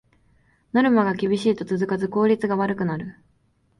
ノルマが厳しいと続かず効率が悪くなる